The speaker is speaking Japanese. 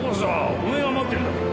お前が待ってんだから。